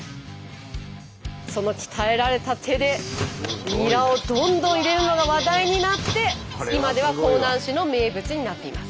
その鍛えられた手でニラをどんどん入れるのが話題になって今では香南市の名物になっています。